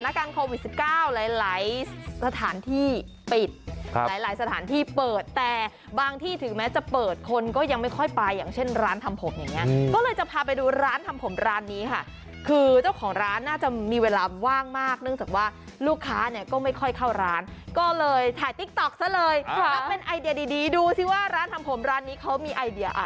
การโควิดสิบเก้าหลายหลายสถานที่ปิดหลายหลายสถานที่เปิดแต่บางที่ถึงแม้จะเปิดคนก็ยังไม่ค่อยไปอย่างเช่นร้านทำผมอย่างเงี้ยก็เลยจะพาไปดูร้านทำผมร้านนี้ค่ะคือเจ้าของร้านน่าจะมีเวลาว่างมากเนื่องจากว่าลูกค้าเนี่ยก็ไม่ค่อยเข้าร้านก็เลยถ่ายติ๊กต๊อกซะเลยค่ะแล้วเป็นไอเดียดีดีดูสิว่าร้านทำผมร้านนี้เขามีไอเดีย